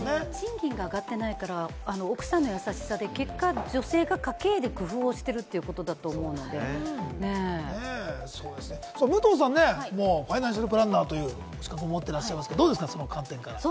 賃金が上がってないから、奥さん優しさで結果、女性が家計で工夫してるってことだと思うの武藤さんね、ファイナンシャルプランナーという資格も持っていらっしゃいますけれど、どうですか？の観点から。